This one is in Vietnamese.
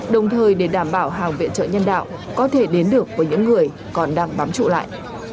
đồng thời để đảm bảo hàng viện trợ nhân đạo có thể đến được với những người còn đang bám trụ lại